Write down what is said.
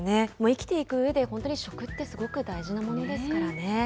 生きていくうえで、本当に食ってすごく大事なものですからね。